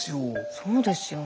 そうですよね。